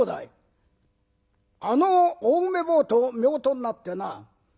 あのお梅坊とめおとになってな